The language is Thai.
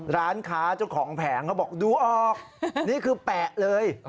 ร้านค้าเจ้าของแผงเขาบอกดูออกนี่คือแปะเลย